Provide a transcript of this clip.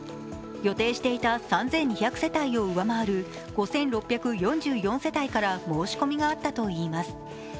予定していた３２００世帯を上回る５６４４世帯から申し込みがあったといいます。